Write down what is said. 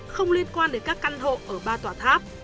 không liên quan đến các căn hộ ở ba tòa tháp